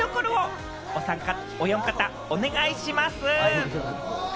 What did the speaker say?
見どころをおよん方、お願いします。